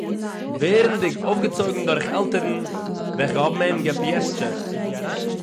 ווערנדיג אויפגעצויגן דורך עלטערן וועלכע האָבן אים געפּיעשטשעט